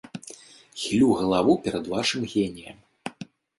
Хілю галаву перад вашым геніем.